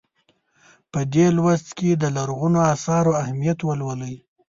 په دې لوست کې د لرغونو اثارو اهمیت ولولئ.